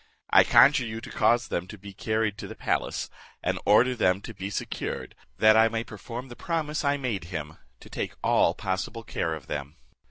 I conjure you to cause them to be carried to the palace, and order them to be secured, that I may perform the promise I made him to take all possible care of them."